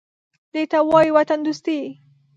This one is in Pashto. _دې ته وايي وطندوستي.